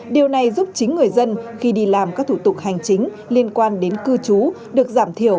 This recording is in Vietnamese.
điều này giúp chính người dân khi đi làm các thủ tục hành chính liên quan đến cư trú được giảm thiểu